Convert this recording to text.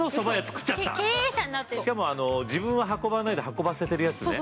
しかも自分は運ばないで運ばせてるやつね。